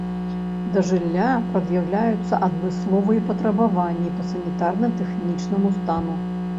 Да жылля прад'яўляюцца адмысловыя патрабаванні па санітарна-тэхнічнаму стану.